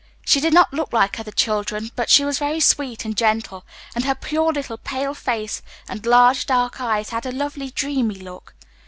She did not look like other children, but she was very sweet and gentle, and her pure little pale face and large, dark eyes had a lovely dreamy look.